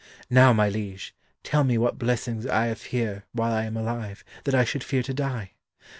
Now, my liege, tell me what blessings I have here while I am alive, that I should fear to die?